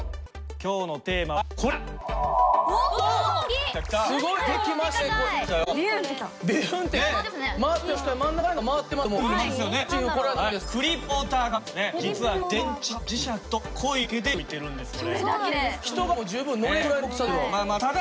今日のテーマはこれだ！